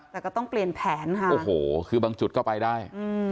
แต่ก็ต้องเปลี่ยนแผนค่ะโอ้โหคือบางจุดก็ไปได้อืม